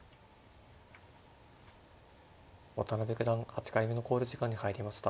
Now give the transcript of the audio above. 渡辺九段８回目の考慮時間に入りました。